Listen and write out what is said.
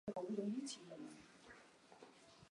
强纳森希望互相交换姓名和电话号码。